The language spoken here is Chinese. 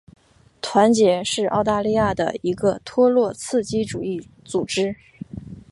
团结是澳大利亚的一个托洛茨基主义组织。